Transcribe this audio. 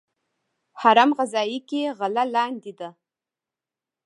هرم غذایی کې غله لاندې ده.